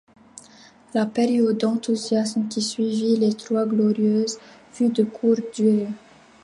La période d’enthousiasme qui suivit les Trois Glorieuses fut de courte durée.